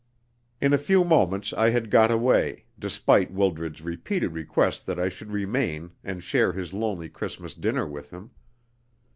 In a few moments I had got away, despite Wildred's repeated request that I should remain and share his lonely Christmas dinner with him.